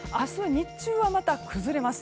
日中は、また崩れます。